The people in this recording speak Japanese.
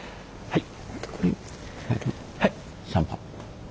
はい。